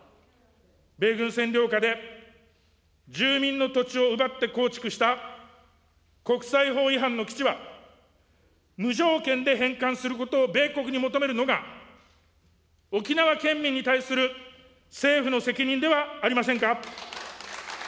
米軍占領下で住民の土地を奪って構築した国際法違反の基地は、無条件で返還することを米国に求めるのが、沖縄県民に対する政府の責任ではありませんか。